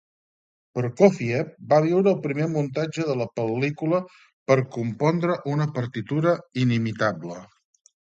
Prokófiev va veure el primer muntatge de la pel·lícula per compondre una partitura inimitable.